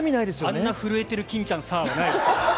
あんな震えてる欽ちゃんさあはないですよ。